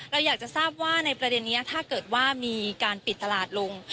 เราอยากจะทราบว่าในประเด็นนี้ถ้าเกิดว่ามีการปิดตลาดลง